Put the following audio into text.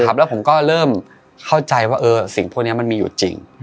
แล้วผมก็เริ่มเข้าใจว่าสิ่งพวกนี้มันมีอยู่จริง